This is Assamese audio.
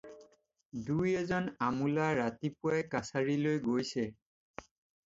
দুই-এজন আমোলা ৰাতিপুৱাই কাছাৰিলৈ গৈছে।